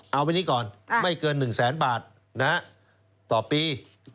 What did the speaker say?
เอาไปนี้ก่อนไม่เกิน๑แสนบาทต่อปี